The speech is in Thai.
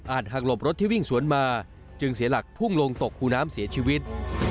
หักหลบรถที่วิ่งสวนมาจึงเสียหลักพุ่งลงตกคูน้ำเสียชีวิต